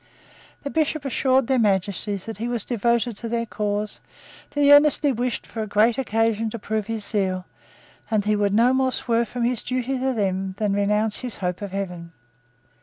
The Bishop assured their Majesties that he was devoted to their cause, that he earnestly wished for a great occasion to prove his zeal, and that he would no more swerve from his duty to them than renounce his hope of heaven.